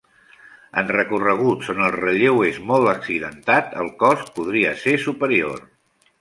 En recorreguts on el relleu és molt accidentat el cost podria ser superior.